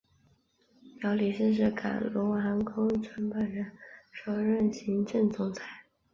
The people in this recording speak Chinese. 苗礼士是港龙航空创办人及首任行政总裁。